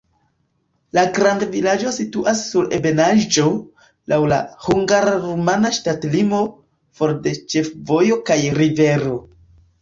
La grandvilaĝo situas sur ebenaĵo, laŭ la hungara-rumana ŝtatlimo, for de ĉefvojo kaj rivero.